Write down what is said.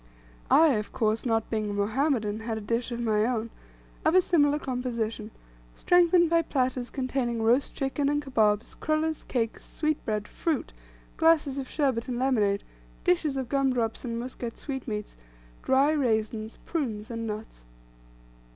I, of course, not being a Mohammedan, had a dish of my own, of a similar composition, strengthened by platters containing roast chicken, and kabobs, crullers, cakes, sweetbread, fruit, glasses of sherbet and lemonade, dishes of gum drops and Muscat sweetmeats, dry raisins, prunes, and nuts.